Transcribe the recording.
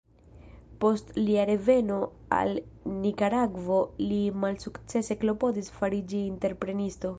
Post lia reveno al Nikaragvo li malsukcese klopodis fariĝi entreprenisto.